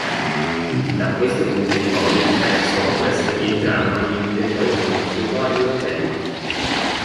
Da questo punto in poi verso ovest entrarono in un territorio sconosciuto agli europei.